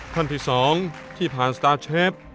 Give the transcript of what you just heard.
ท่านที่๒ที่ผ่านสตาร์เชฟ